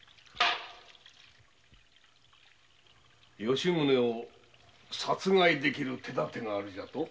吉宗を殺害できる手だてがあると？